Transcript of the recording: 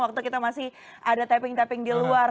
waktu kita masih ada taping tapping di luar